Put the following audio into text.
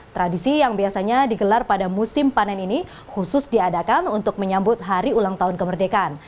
tradisi yang biasanya digelar pada musim panen ini khusus diadakan untuk menyambut hari ulang tahun kemerdekaan